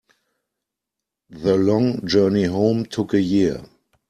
The long journey home took a year.